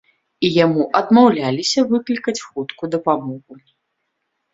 І яму адмаўляліся выклікаць хуткую дапамогу.